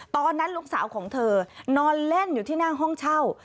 ตอนนั้นลูกสาวของเธอนอนเล่นอยู่ที่หน้าห้องเช่า